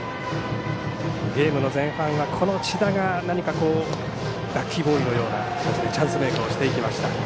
ゲームの前半は、この千田がラッキーボーイのようなチャンスメイクをしていきました。